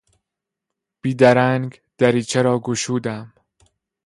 بیدرنگ دریچه را گشودم.